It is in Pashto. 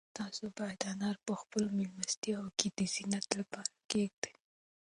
تاسو باید انار په خپلو مېلمستیاوو کې د زینت لپاره کېږدئ.